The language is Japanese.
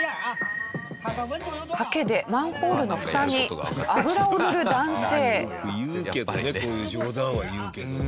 ハケでマンホールの蓋に油を塗る男性。